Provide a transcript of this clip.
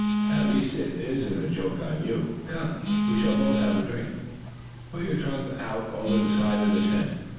"At least it isn't a joke on you. Come, we shall both have a drink. Put your trunk out over the side of the tent.